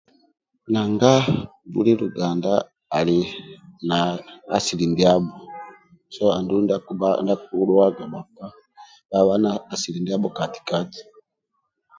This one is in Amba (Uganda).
Nanga buli luganda ali na asili ndiabo andulu ndia kidhuwaga byli luganda aba na asili ndiabo kati kati